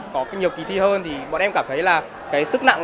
của kỳ thi riêng